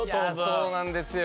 いやそうなんですよ。